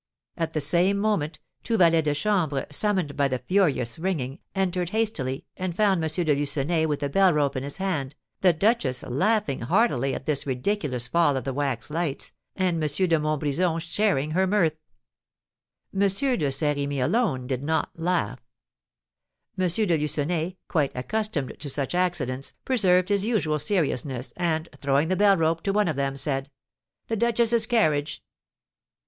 At the same moment, two valets de chambre, summoned by the furious ringing, entered hastily, and found M. de Lucenay with the bell rope in his hand, the duchess laughing heartily at this ridiculous fall of the wax lights, and M. de Montbrison sharing her mirth. M. de Saint Remy alone did not laugh. M. de Lucenay, quite accustomed to such accidents, preserved his usual seriousness, and, throwing the bell rope to one of the men, said: "The duchess's carriage."